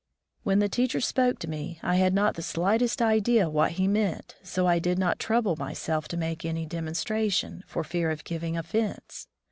When the teacher spoke to me, I had not the slightest idea what he meant, so I did not trouble myself to make any demonstration, for fear of giving offense.